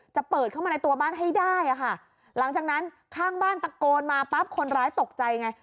จะเปิดเข้ามาในตัวบ้านให้ได้อะค่ะหลังจากนั้นข้างบ้านตะโกนมาปั๊บคนร้ายตกใจไง